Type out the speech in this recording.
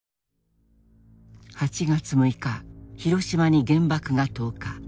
８月６日広島に原爆が投下。